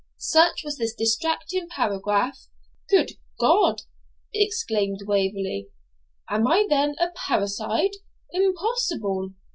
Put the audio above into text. Such was this distracting paragraph. 'Good God!' exclaimed Waverley, 'am I then a parricide? Impossible!